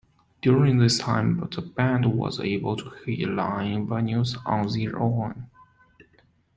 During this time the band was able to headline venues on their own.